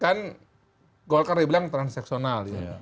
kan golkar dibilang transaksional